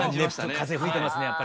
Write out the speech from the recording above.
風吹いてます。